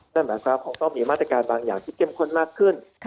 นั่นหมายความว่ามีมาตรการบางอย่างที่เข้มข้นมากขึ้น